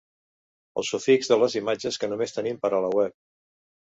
El sufix de les imatges que només tenim per a la web.